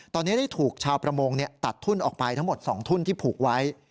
ตอนนี้ได้ถูกชาวประมงตัดทุ่นออกไปทั้งหมด๒ทุ่นที่ผูกไว้